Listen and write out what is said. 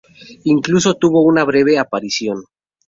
Incluso tuvo una breve aparición.